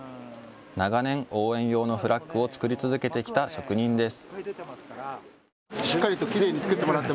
長年、応援用のフラッグを作り続けてきた職人です。